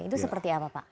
itu seperti apa pak